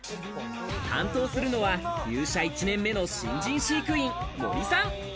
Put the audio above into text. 担当するのは、入社１年目の新人飼育員・森さん。